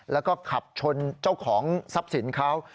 แล้วก็ขับชนเจ้าของทรัพย์สินเขา